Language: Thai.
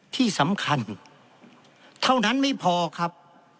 ที่สำคัญเท่านั้นไม่พอครับ